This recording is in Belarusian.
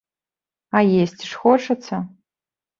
А есці ж хочацца.